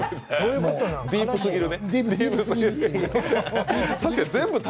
ディープすぎる。